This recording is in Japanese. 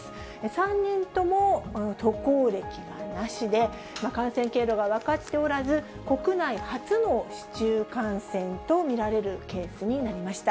３人とも渡航歴はなしで、感染経路が分かっておらず、国内初の市中感染と見られるケースになりました。